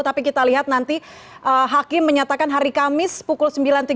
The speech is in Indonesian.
tapi kita lihat nanti hakim menyatakan hari kamis pukul sembilan tiga puluh